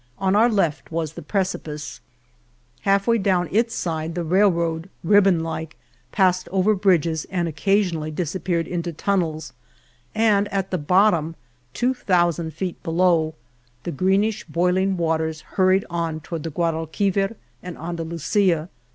On our left was the precipice; half way down its side the railroad, ribbon like, passed over bridges and occasionally disappeared into tunnels, and at the bottom, two thousand feet below, the greenish boiling waters hur ried on toward the Guadalquivir and Anda lusia.